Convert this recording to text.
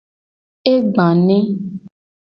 E gba ne.